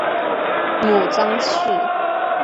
母臧氏。